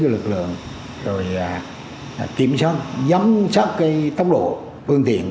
lực lượng kiểm soát giám sát tốc độ phương tiện